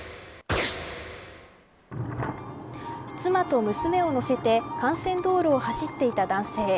妻と娘を乗せて幹線道路を走っていた男性。